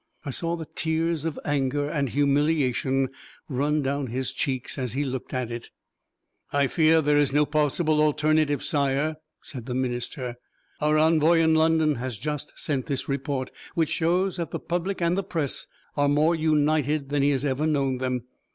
I saw the tears of anger and humiliation run down his cheeks as he looked at it. "I fear that there is no possible alternative, Sire," said the Minister. "Our envoy in London has just sent this report, which shows that the public and the Press are more united than he has ever known them.